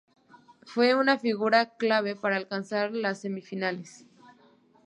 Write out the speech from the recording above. Fue una figura clave para alcanzar las semifinales.